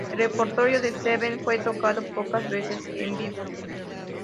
El repertorio de "Seven" fue tocado pocas veces en vivo.